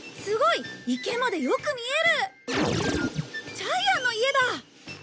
ジャイアンの家だ！